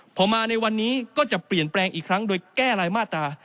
พอมาในวันนี้ก็จะเปลี่ยนแปลงอีกครั้งโดยแก้รายมาตรา